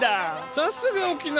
さすが沖縄。